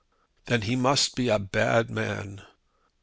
"Then he must be a bad man."